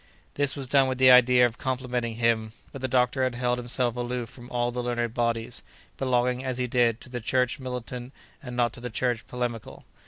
This was done with the idea of complimenting him, but the doctor had held himself aloof from all the learned bodies—belonging, as he did, to the church militant and not to the church polemical.